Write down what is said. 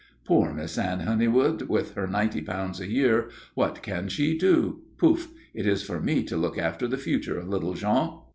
Poor Miss Anne Honeywood with her ninety pounds a year, what can she do? Pouf! It is for me to look after the future of little Jean."